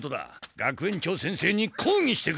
学園長先生に抗議してくる！